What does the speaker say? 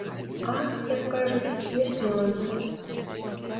А, як кажуць, ёсць нюансы.